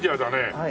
はい。